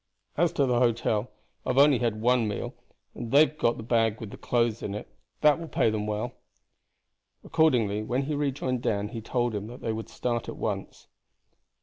As to the hotel, I have only had one meal, and they have got the bag with what clothes there are; that will pay them well." Accordingly when he rejoined Dan he told him that they would start at once.